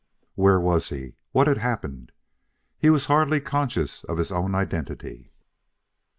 Where was he? What had happened? He was hardly conscious of his own identity....